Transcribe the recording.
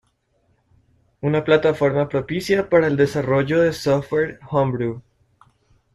Una plataforma propicia para el desarrollo de software homebrew.